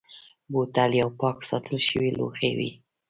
بوتل یو پاک ساتل شوی لوښی وي.